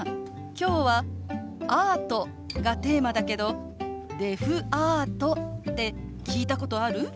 今日は「アート」がテーマだけど「デフアート」って聞いたことある？